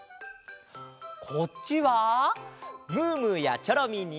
こっちはムームーやチョロミーに。